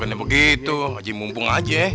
bukan yang begitu ajaim mumpung aja